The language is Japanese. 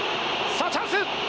さあチャンス！